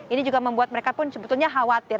ini juga membuat mereka pun sebetulnya khawatir